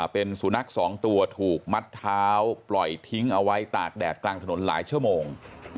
เป็นสุนัขสองตัวถูกมัดเท้าปล่อยทิ้งเอาไว้ตากแดดกลางถนนหลายชั่วโมง